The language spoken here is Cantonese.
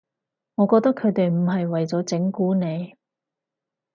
我覺得佢哋唔係為咗整蠱你